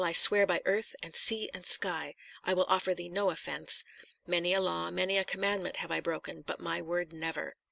I swear by earth, and sea, and sky, I will offer thee no offence. Many a law, many a commandment have I broken, but my word never."